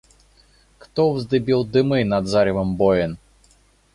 Кто вздыбил дымы над заревом боен?